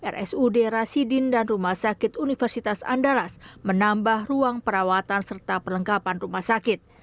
rsud rasidin dan rumah sakit universitas andalas menambah ruang perawatan serta perlengkapan rumah sakit